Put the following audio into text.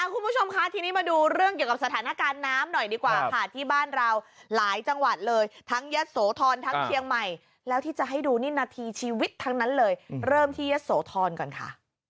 คุณผู้ชมคะทีนี้มาดูเรื่องเกี่ยวกับสถานการณ์น้ำหน่อยดีกว่าค่ะที่บ้านเราหลายจังหวัดเลยทั้งยะโสธรทั้งเชียงใหม่แล้วที่จะให้ดูนี่นาทีชีวิตทั้งนั้นเลยเริ่มที่ยะโสธรก่อนค่ะ